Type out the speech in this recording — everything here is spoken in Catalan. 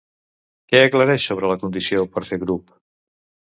Què aclareix sobre la condició per fer grup?